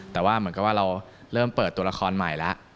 แต่ว่าเหมือนกับว่าเราเริ่มเปิดตัวละครใหม่แล้ว